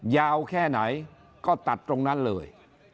ยาวแค่ไหนก็ตัดตรงนั้นเลย